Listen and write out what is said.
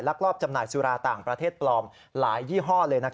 ลอบจำหน่ายสุราต่างประเทศปลอมหลายยี่ห้อเลย